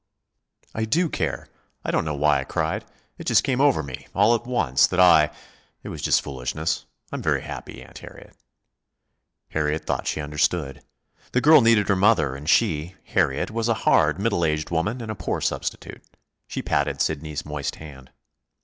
"I do care. I don't know why I cried. It just came over me, all at once, that I It was just foolishness. I am very happy, Aunt Harriet." Harriet thought she understood. The girl needed her mother, and she, Harriet, was a hard, middle aged woman and a poor substitute. She patted Sidney's moist hand.